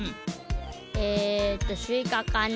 えっとすいかかな。